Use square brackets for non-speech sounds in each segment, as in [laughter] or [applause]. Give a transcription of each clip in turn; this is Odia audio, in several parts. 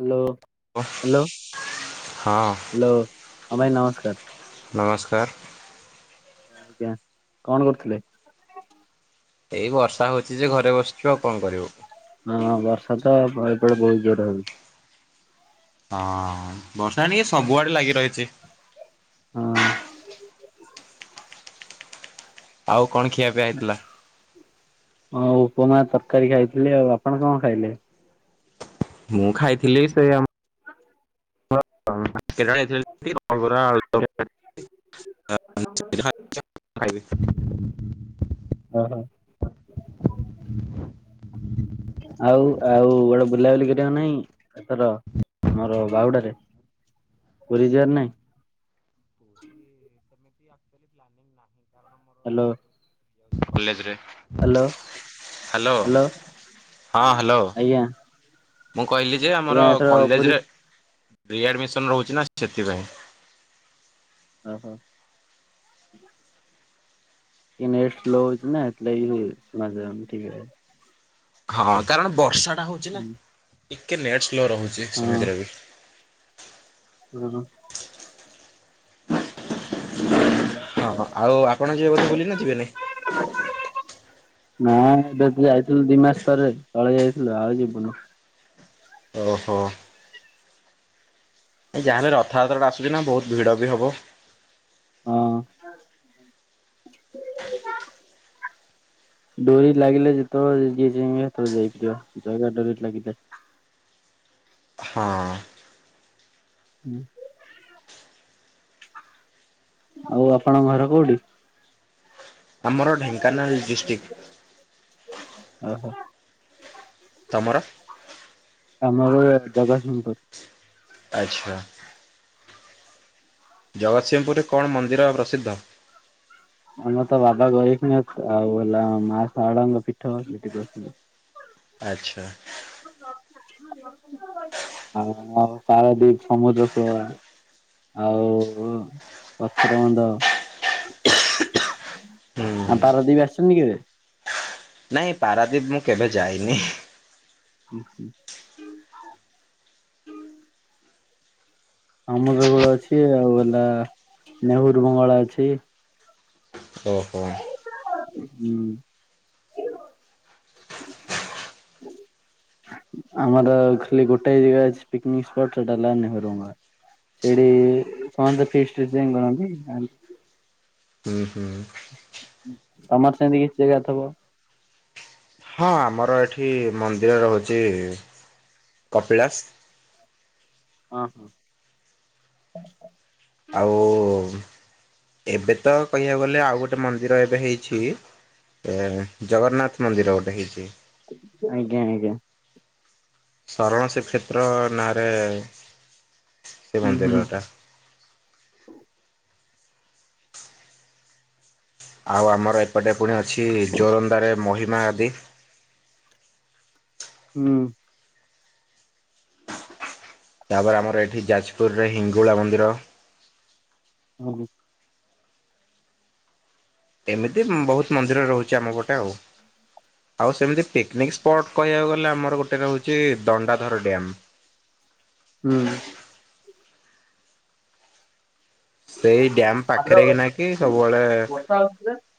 ହାଲୋ। ଓଃ ହଁ। ହାଲୋ ହଁ ଭାଇ ନମସ୍କାର। ନମସ୍କାର। ଆଜ୍ଞା କଣ କରୁଥିଲେ? ଏଇ ବର୍ଷା ହୋଉଛି ଯେ ଘରେ ବସିଚୁ ଆଉ କଣ କରିବୁ? ହଁ ବର୍ଷା ତ ଏପାଳି ବୋହୁତ ବୋହୁତ ଜୋର ହୋଉଛି। ହଁ ବର୍ଷା ଟିକେ ସବୁଆଡ଼େ ଲାଗି ରହିଛି। ହଁ। ଆଉ କଣ ଖିଆ ପିଆ ହେଇଥିଲା? ହଁ ଉପମା ତରକାରୀ ଖାଇଥିଲି ଆଉ ଆପଣ କଣ ଖାଇଲେ? ମୁଁ ଖାଇଥିଲି ସେ ଆ [unintelligible] ହ ହାଇୱେ। ହଁ ହଁ। ଆଉ ଆଉ ଗୋଡେ ବୁଲାବୁଲି କରିବା ନାହିଁ ଏଥର ମୋର ବାହୁଡାରେ ପୁରୀ ଯିବାର ନାଇଁ? ଏ ପ୍ାନିଂ ନାହିଁାରଣ [inaudible] ହ୍ୟାଲୋ। ହ୍ୟାଲୋ ହ୍ୟାଲୋ ହଁ ହ୍ୟାଲୋ। ଆଜ୍ଞା ମୁଁ କହିଲି ଯେ ଆମର ଆଜ୍ଞା ଏଥର ପୁରୀ କଲେଜରେ ରି ଆଡ଼ମିସନ ରହୁଛି ନା ସେଥିପାଇଁ। ଓହୋ। କି ନେଟ ସ୍ଲୋ ହଉଛି ନା ହେଇଥି ଲାଗି ଶୁଣା ଯାଉନି ଠିକ୍ ରେ। ହଁ କାରଣ ବର୍ଷାଟା ହଉଛି। ନା ହୁଁ। ଟିକେ ନେଟ୍ ସ୍ଲୋ ରହୁଛି ସେମିତିରେ ବି ହୁଁ। ହଁ ହଁ ଆଉ ଆପଣ ଯିବେ ବୋଧେ ବୁଲି ନା ଯିବେନି? ନା ଏବେ ଯାଇଥିଲୁ ଦି ମାସ ଥରେ ତଳେ ଯାଇଥିଲୁ ଆଉ ଯିବୁନୁ। ଓ ହୋ। ଏ ଯାହେଲେ ରଥଯାତ୍ରାଟା ଆସୁଛି ନା ବହୁତ ଭିଡ଼ ବି ହେବ। ହଁ। ଡୋରି ଲାଗିଲେ ଯେତେବେଳେ ଯିଏଁ ସେତବେଳେ ଯାଇପାରିବ ଜାଗା ଡୋରି ଲାଗିଲେ। ହଁ। ହୁଁ। ଆଉ ଆପଣଙ୍କ ଘର କୋଉଠି? ଆମର ଢେଙ୍କାନାଳ ଡିଷ୍ଟ୍ରିକ୍। ଓ ହୋ। ତମର? ଆମର ଜଗତସିଂହପୁର। ଆଚ୍ଛା। ଜଗତସିଂହପୁରରେ କଣ ମନ୍ଦିର ପ୍ରସିଦ୍ଧ? ଆମର ତ ବାବା ଗୋରେଖନାଥ ଆଉ ହେଲା ମା ସାରଳା ଙ୍କ ପୀଠ ସେଠି ପ୍ରସିଧ। ଆଚ୍ଛା। ଆଉ ପାରାଦୀପ ସମୁଦ୍ର କୂଳ। ଆଉ ପଥର ବନ୍ଧ। ଆଉ ହୁଁ ପାରାଦୀପ ଆସିଛନ୍ତିି କେବେ? ନାଇଁ ପାରାଦ୍ୱୀପ ମୁଁ କେବେ ଯାଇନି। ହୁଁ ହୁଁ। ଅମୁଦଗୋଳ ଅଛି ଆଉ ହେଲା ନେହରୁ ବଙ୍ଗଳା ଅଛି। ଓହୋ। ହୁଁ। ଆମର ଖାଲି ଗୋଟେ ଜାଗା ଅଛି ପିକନିକ ସ୍ପଟ ସେଟା ହେଲା ନେହେରୁ [unintelligible] ସେଇଠି ସମସ୍ତେ ଫିସ୍ଟି ପିସ୍ଟି ଯାଇ କରନ୍ତି। ଓହୋ। ତମର ସେମିତି କିଛି ଜାଗାଥିବ। ହଁ ଆମର ଏଠି ମନ୍ଦିର ରହୁଛି କପିଳାସ। ହଁ ହଁ। ଆଉ ଏବେ ତ କହିଆକୁ ଗଲେ ଆଉ ଗୋଟେ ମନ୍ଦିର ଏବେ ହେଇଚି ଏ ଜଗନ୍ନାଥ ମନ୍ଦିର ଗୋଟେ ହେଇଚି। ଆଜ୍ଞା ଆଜ୍ଞା ଶରଣ ଶ୍ରୀ କ୍ଷେତ୍ର ନାଁରେ ସେ ହୁଁ ହୁଁ ମନ୍ଦିର ଟା। ଆଉ ଆମର ଏପଟେ ପୁଣି ଅଛି ଜୋରନ୍ଦାରେ ମହିମା ଆଦି ହୁଁ ତା ପରେ ଆମର ଏଠି ଯାଜପୁରରେ ଇଙ୍ଗୁଳା ମନ୍ଦିର ଉଁ ହୁଁ ଏମିତି ବହୁତ ମନ୍ଦିର ରହୁଚି ଆମ ପଟେ ଆଉ। ଆଉ ସେମିତି ପିକ୍ ନିକ୍ ସ୍ପଟ୍ କହିବାକୁ ଗଲେ ଆମର ଗୋଟେ ରହୁଛି ଦଣ୍ଡାଧର ଡ୍ୟାମ୍। ହୁଁ ସେଇ ଡ୍ୟାମ ହ୍ୟାଲୋ ପାଖରେ ହି ନା କି ସବୁବେଳେ [unintelligible]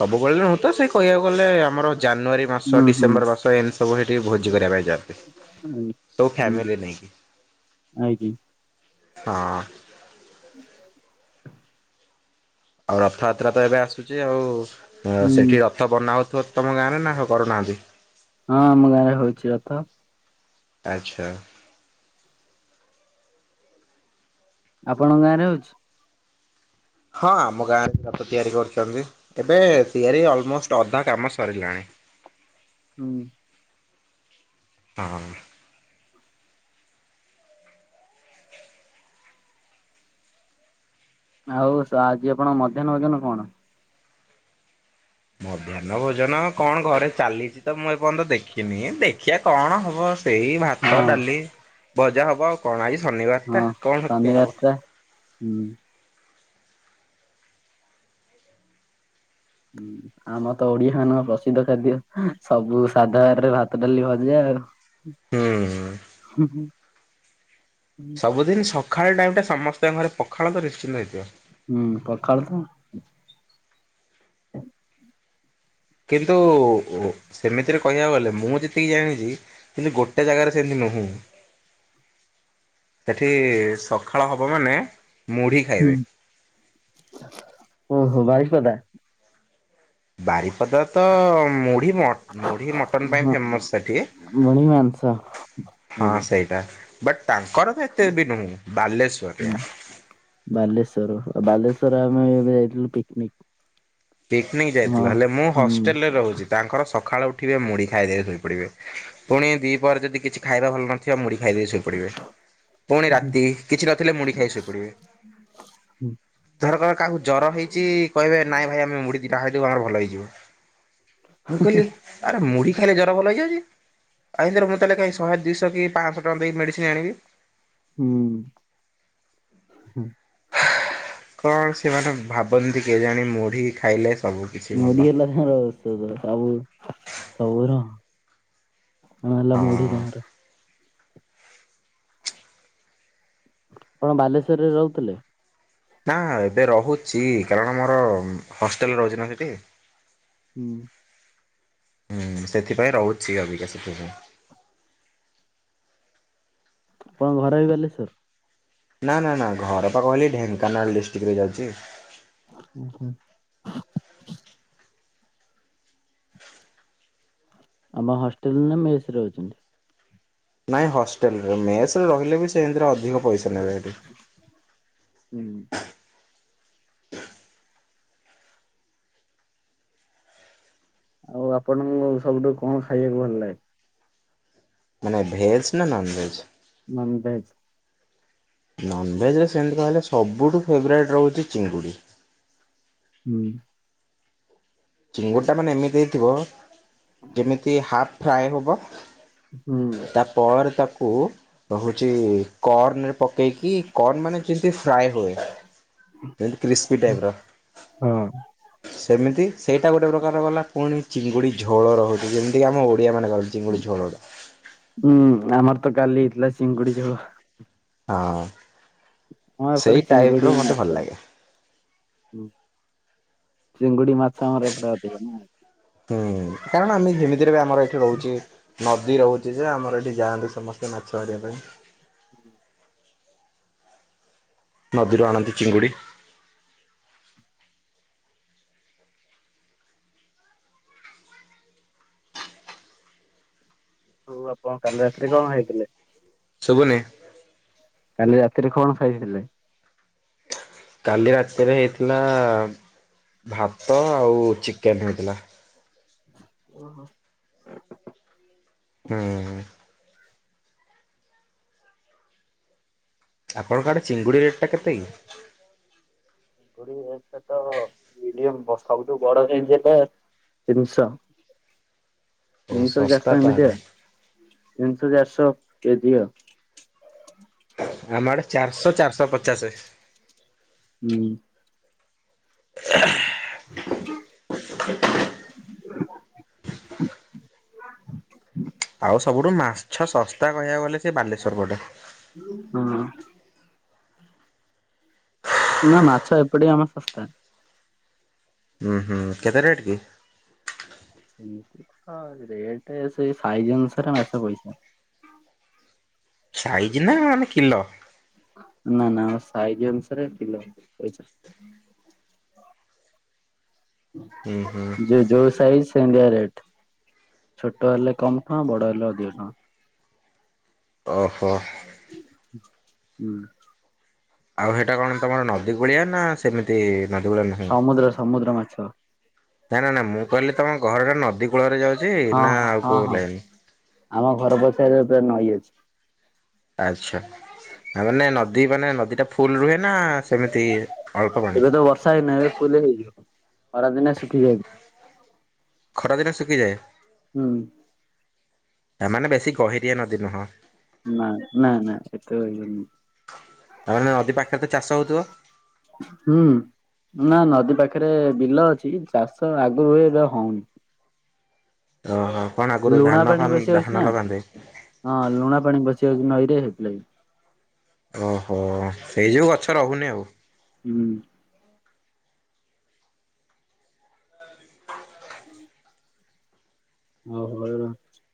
ସବୁବେଳେ ନୁହେଁ ତ ସେଇ କହିବାକୁ ଗଲେ ଆମର ଜାନୁଆରୀ ମାସ ହୁଁ ହୁଁ। ଡିସେମ୍ବର ମାସ ଏମିତି ସବୁବେଳେ ଟିକେ ଭୋଜି କରିବା ପାଇଁ ଯାଆନ୍ତି। ସବୁ ଫ୍ୟାମିଲି ନେଇକି ଉଁ ହୁଁ ହଁ ହ [unintelligible] ଆଉ ରଥଯାତ୍ରା ତ ଏବେ ଆସୁଚି ଆଉ ଅ ହୁଁ ହଁ ସେଠି ର ଥ ବନା ହୋଉଥିବ ତମ ଗାଁରେ ନା କରୁନାହାନ୍ତି? ହଁ ଆମ ଗାଁ ରେ ହୋଉଛି ରଥ। ଆଚ୍ଛା। ଆପଣଙ୍କ ଗାଁ ରେ ହୋଉଛି? ହଁ ଆମ ଗାଁରେ ବି ରଥ ତିଆରି କରୁଛନ୍ତି। ଏବେ ତିଆରି ଅଲମୋଷ୍ଟ ଅଧା କାମ ସରିଲାଣି। ହୁଁ ଆଁ ଆଉ ସ ଆଜି ଆପଣଙ୍କ ମଧ୍ୟାହ୍ନ ଭୋଜନ କଣ? ମଧ୍ୟାହ୍ନ ଭୋଜନ କଣ ଘରେ ଚାଲିଚି ତ ମୁଁ ଏପର୍ଯ୍ୟନ୍ତ ଦେଖିନି ଦେଖିଆ କଣ ହବ ସେଇ ହଁ ଭାତ ଡାଲି ଭଜା ହବ ଆଉ କଣ ଆଜି ଶନିବାର ହଁ ଟା କଣ ଏଇଆ ଶନିବାର ହୋ ଟା ହୁଁ [unintelligible] ଆମର ତ ଓଡିଆ ଆମର ପ୍ରସିଦ୍ଧ ଖାଦ୍ୟ ସବୁ ସାଧା ବାରିରେ ଭାତ ଡାଲି ଭଜା ଆଉ। ହୁଁ ହୁଁ ହୁଁ ସବୁଦିନ ସକାଳ ଟାଇମ୍ ଟା ସମସ୍ତଙ୍କ ଘରେ ପଖାଳ ତ ନିଶ୍ଚିନ୍ତ ହେଇଥିବ। ହୁଁ ପଖାଳ ତ କିନ୍ତୁ ସେମିତିରେ କହିବାକୁ ଗଲେ ମୁଁ ଯେତିକି ଜାଣିଚି କିନ୍ତୁ ଗୋଟେ ଜାଗାରେ ସେମିତି ନୁହୁଁ। ସେଠି ସକାଳ ହବ ମାନେ ମୁଢି ଖାଇବେ। ଓ ହୋ ବାରିପଦା ବାରିପଦା ତ ମୁଢି ମଠ ମୁଢି ମଟନ ପାଇଁ ଫେମସ୍ ସେଠି। ମୁଢି ମାଂସ ହଁ ଆଜ୍ଞା ସେଇଟା। ବଟ୍ ତାଙ୍କର ତ ଏତେ ବି ନୁହେଁ ବାଲେଶ୍ଵର। ହୁଁ ବାଲେଶ୍ଵର ବାଲେଶ୍ଵର ଆମେ ଏବେ ଯାଇଥିଲୁ ପିକନିକ। ପିକନିକ ହଁ ଯାଇଥିଲ ହେଲେ ମୁଁ ହୁଁ। ହଷ୍ଟେଲରେ ରହୁଛି। ତାଙ୍କର ସକାଳୁ ଉଠିବେ ମୁଢି ଖାଇଦେବେ ଶୋଇପଡିବେ ପୁଣି ଦି ପହରେ ଯଦି କିଛି ଖାଇଦ ଭଲ ନ ଥିବ ମୁଢି ଖାଇଦେଇ ଶୋଇପଡିବେ। ପୁଣି ହୁଁ ରାତି କିଛି ନଥିଲେ ମୁଢି ଖାଇ ଶୋଇପଡିବେ। ଧର କ କାହାକୁ ଜର ହେଇଚି। କହିବେ ନାଇଁ ଭାଇ ଆମ ଉଁ ମୁଢି ଦିଇଟା ଖାଇଦୋବୁ ଆମର ଭଲ ହେଇଯିବ ମୁଁ କହିଲି ଆରେ ମୁଢି ଖାଇଲେ ଜର ଭଲ ହେଇଯାଉଚି। ଆ ଏମତିରେ ମୁଁ ତାହାଲେ କାଇଁ ଶହେ ଦୁଶହ କି ପାଂଶ ଟଙ୍କା ଦେଇକି ମେଡିସିନ ଆଣିବି। ହୁଁ ହୁଁ। କଣ ସେମାନେ ଭାବନ୍ତି କେଜାଣି ମୁଢ଼ି ଖାଇଲେ ସବୁ କିିଛି ମୁଡି ଭଲ। ହେଲା ତାର ଔଷଧ ସବୁ ସବୁର। ହଁ ହେଲା ମୁଢି ହଁ ତାଙ୍କର ଆପଣ ବାଲେଶ୍ୱରରେ ରହୁଥୁଲେ? ନା ଏବେ ରହୁଚି କାରଣ ମୋର ହଷ୍ଟେଲ ରହୁଚି ନା ସେଠି। ହୁଁ। ହୁଁ ସେଥିପାଇଁ ରହୁଛି ଅବିକା ସେଠି ମୁଁ। ଆପଣଙ୍କ ଘର ବି ବାଲେଶ୍ଵର? ନା ନା ନା ଘର ପା କହିଲି ଢେଙ୍କାନାଳ ଡିଷ୍ଟ୍ରିକରେ ଯାଉଚି। ଓହୋ। ଆମ ହଷ୍ଟେଲ ନା ମେସରେ ରହୁଚନ୍ତି? ନାଇଁ ହଷ୍ଟେଲରେ ମେସରେ ରହିଲେ ବି ସେମତିରେ ଅଧିକ ପଇସା ନେବେ ହେଠି। ହୁଁ। ଆଉ ଆପଣଙ୍କୁ ସବୁଠୁ କଣ ଖାଇବାକୁ ଭଲ ଲାଗେ? ମାନେ ଭେଜ୍ ନା ନନଭେଜ୍? ମନଭେଜ। ନନଭେଜରେ ସେମତି କହିଲେ ସବୁଠୁ ଫେବରାଇଟ୍ ରହୁଚି ଚିଙ୍ଗୁଡ଼ି। ହୁଁ। ଚିଙ୍ଗୁଡ଼ିଟା ମାନେ ଏମିତି ହେଇଥିବ ଯେମିତି ହାପ୍ ଫ୍ରାଏ ହବ ହୁଁ। ତାପରେ ତାକୁ ହୋଉଚି କର୍ନରେ ପକେଇକି କର୍ନ ମାନେ ଯେମତି ଫ୍ରାଏ ହୁଏ ଯେମତି କ୍ରିସ୍ପି ଟାଇପର। ହଁ ସେମିତି ସେଇଟା ଗୋଟେ ପ୍ରକାର ଗଲା। ପୁଣି ଚିଙ୍ଗୁଡ଼ି ଝୋଳ ରହୁଚି ଯେମତିକି ଆମେ ଓଡ଼ିଆମାନେ କରନ୍ତି ଚିଙ୍ଗୁଡ଼ି ଝୋଳଟା। ହୁଁ ଆମର ତ କାଲି ହେଇଥିଲା ଚିଙ୍ଗୁଡି ଝୋଳ। ହଁ ସେଇ ଟାଇପର ମତେ ଭଲ ଲାଗେ। ଉ ଚିଙ୍ଗୁଡି ମାଛ ଆମର ଏପଟେ ଅଧିକ ନା। ହୁଁ କାରଣ ଆମେ ଯେିମିତିରେ ବି ଆମର ଏଇଠି ରହୁଚି ନଦୀ ରହୁଚି ଯେ ଆମର ଏଠି ଯାଆନ୍ତି ସମସ୍ତେ ମାଛ ମାରିବା ପାଇଁ। ନଦୀରୁ ଆଣନ୍ତି ଚିଙ୍ଗୁଡ଼ି। ହୋଉ ଆପଣ କାଲି ରାତିରେ କଣ ଖାଇଥିଲେ? ଶୁଭୁନି। କାଲି ରାତିରେ କଣ ଖାଇଥିଲେ? କାଲି ରାତିରେ ହେଇଥିଲା ଭାତ ଆଉ ଚିକେନ ହେଇଥିଲା। ଓହୋ। ହୁଁ। ଆପଣଙ୍କ ଆଡ଼େ ଚିଙ୍ଗୁଡ଼ି ରେଟା କେତେ କି? କୋଡିଏ [inaudible] ମିଡିୟମ ଦଶଟାରୁ [inaudible] ବଡ [inaudible] ତିନିଶ ଓ ତିନିଶ ଶସ୍ତା ଚାରିଶ ଏମିତି ତାହେଲେ ଆଉ। ତିନିଶ ଚାରିଶ କେଜି ଆଉ। ଆମ ଆଡେ ଚାରଶ ଚାରଶ ପଚାଶେ। ହୁଁ। ଆଉ ସବୁଠୁ ମାଛ ଶସ୍ତା କହିବାକୁ ଗଲେ ସେ ବାଲେଶ୍ଵର ପଟେ। ହଁ। ନା ମାଛ ଏପଟେ ଆମ ଶସ୍ତା। ଉଁ ହୁଁ କେତେ ରେଟ୍ କି? ହଁ ରେଟ୍ ସେଇ ସାଇଜ ଅନୁସାରେ ମାଛ ପଇସା। ସାଇଜି ନା ମାନେ କିଲୋ। ନା ନା ସାଇଜି ଅନୁସାରେ କିଲୋ ପଇସା। ହୁଁ ହୁଁ ଯିଏ ଯୋଉ ସାଇଜ୍ ସେମିତିଆ ରେଟ୍। ଛୋଟ ହେଲେ କମ୍ ଟଙ୍କା ବଡ ହେଲେ ଅଧିକ ଟଙ୍କା। ଓହୋ। ହୁଁ। ଆଉ ହେଟା କଣ ତମର ନଦୀ କୂଳିଆ ନା ସେମିତି ନଦୀ କୂଳିଆ ନୁହେଁ? ସମୁଦ୍ର ସମୁଦ୍ର ମାଛ ନା ନା ନା ମୁଁ କହିଲି ତମ ଘରଟା ନଦୀ କୂଳରେ ଯାଉଚି ହଁ ନା ହଁ ଆଉ ହଁ କୋଉ ହଁ ଲାଇନ୍? ଆମ ଘର ପଛରେ ଏବେ ନଈ ଅଛି। ଆଚ୍ଛା। ତା ମାନେ ନଦୀ ମାନେ ନଦୀ ଟା ଫୁଲ୍ ରୁହେ ନା ସେମିତି ଅଳ୍ପ ପାଣି? ଏବେ ତ ବର୍ଷା ଦିନେ ଏବେ ଫୁଲ ହେଇଯିବ। ଖରାଦିନେ ଶୁଖିଯାଇ ଖରାଦିନେ ଶୁଖିଯାଏ? ହୁଁ। ତାମାନେ ବେଶି ଗହିରିଆ ନଦୀ ନୁହଁ। ନା ନା ନା ଏତ ଇଏ ନୁହଁ। ତାମାନେ ନଦୀ ପାଖରେ ତ ଚାଷ ହଉଥିବ? ହୁଁ। ନା ନଦୀ ପାଖରେ ବିଲ ଅଛି। ଚାଷ ଆଗରୁ ହୁଏ ଏବେ ହଉନି। ଓ ହୋ। କଣ ଆଗରୁ ଲୁଣା ଧାନ ପାଣି ଫାନ୍ ପଶି ଯାଉଛି ଧାନ ନା ଲଗାନ୍ତି? ହଁ ଲୁଣା ପାଣି ପଶିଯାଉଚି ନଈରେ ହେଇଥିଲାଗି। ଓହୋ। ସେଇ ଯୋଉ ଗଛ ରହୁନି ଆଉ। ହୁଁ। [unintelligible]